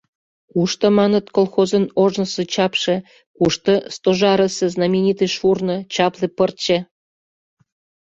Кушто, маныт, колхозын ожнысо чапше, кушто Стожарысе знаменитый шурно, чапле пырче?